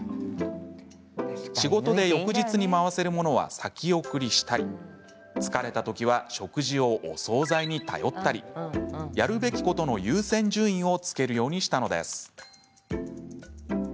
仕事で翌日に回せるものは先送りしたり疲れたときは食事をお総菜に頼ったりやるべきことの優先順位をつけるようにしたのです。